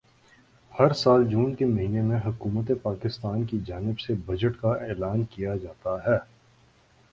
ہر سال جون کے مہینے میں حکومت پاکستان کی جانب سے بجٹ کا اعلان کیا جاتا ہے